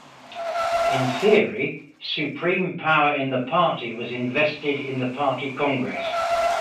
In theory, supreme power in the party was invested in the Party Congress.